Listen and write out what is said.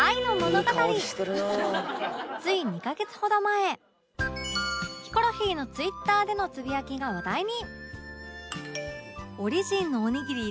つい２カ月ほど前ヒコロヒーの Ｔｗｉｔｔｅｒ でのつぶやきが話題に！